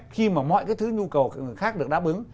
khi mà mọi cái thứ nhu cầu của người khác được đáp ứng